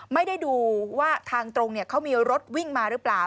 ไม่ได้ดูว่าทางตรงเขามีรถวิ่งมาหรือเปล่า